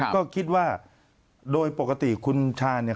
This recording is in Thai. ก็คิดว่าโดยปกติคุณชาเนี่ย